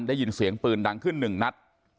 ได้ยินเสียงปืนดังขึ้นหนึ่งนัด